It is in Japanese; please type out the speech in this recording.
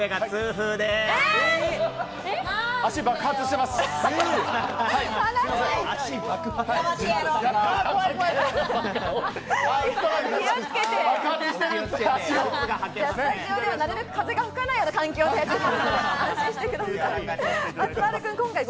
スタジオでは、なるべく風が吹かないような環境で安心してください。